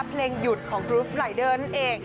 เพลงหยุดของกรูฟลายเดอร์นั่นเอง